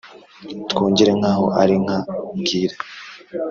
Twongere nkaho arinka ubwira